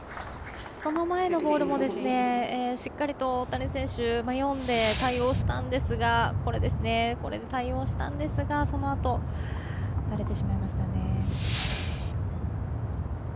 その前のフォアもしっかりと大谷選手、読んで対応したんですがそのあと打たれてしまいましたね。